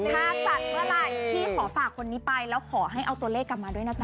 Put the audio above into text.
ถ้าจัดเมื่อไหร่พี่ขอฝากคนนี้ไปแล้วขอให้เอาตัวเลขกลับมาด้วยนะจ๊